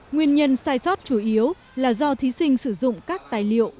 nguyên nhân sai sót chủ yếu là do thí sinh sử dụng các tài liệu